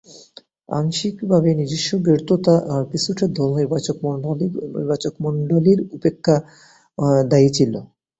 আংশিকভাবে নিজস্ব ব্যর্থতা আর কিছুটা দল নির্বাচকমণ্ডলীর উপেক্ষা দায়ী ছিল।